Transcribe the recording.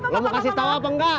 lo mau kasih tau apa nggak